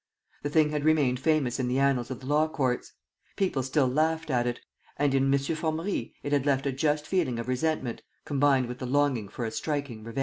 The thing had remained famous in the annals of the law courts. People still laughed at it; and in M. Formerie it had left a just feeling of resentment, combined with the longing for a striking revenge.